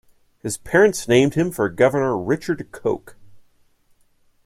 His parents named him for Governor Richard Coke.